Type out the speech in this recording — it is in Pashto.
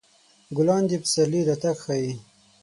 ګلان د پسرلي راتګ ښيي.